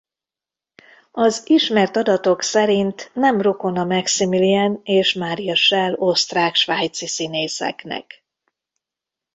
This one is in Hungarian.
Az ismert adatok szerint nem rokona Maximilian és Maria Schell osztrák-svájci színészeknek.